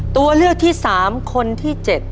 ตัวเลือกที่๓คนที่๗